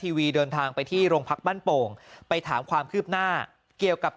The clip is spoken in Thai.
ทีวีเดินทางไปที่โรงพักบ้านโป่งไปถามความคืบหน้าเกี่ยวกับ